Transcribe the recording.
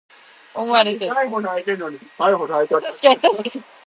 無血無目屎